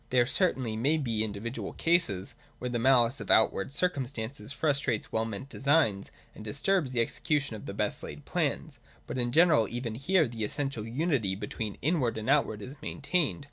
There certainly may be individual cases, where the malice of outward circumstances frustrates well meant designs, and disturbs the execution of the best laid plans. But in general even here the essential unity be tween inward and outward is maintained.